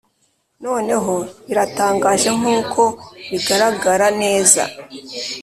noneho biratangaje nkuko bigaragara neza,